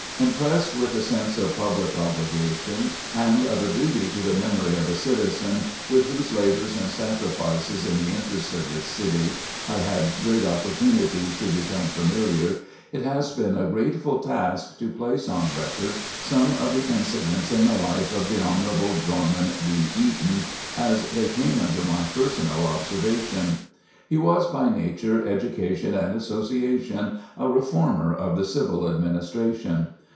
Impressed with a sense of public obligation and of a duty to the memory of a citizen with whose labors and sacrifices in the interests of this city I had great opportunities to become familiar, it has been a grateful task to place on record some of the incidents in the life of Hon. Dorman B. Eaton as they came under my personal observation. He was by nature, education, and association a reformer of the civil administration.